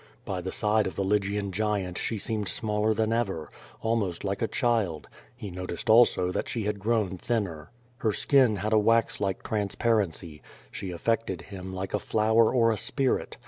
By the side of the Lygian giant she seenu?d smaller than ever, almost like a child, lie noticed, also, that she had grown thinner. Her skin had a wax like transparency. She all'ected him like a flower or a spirit.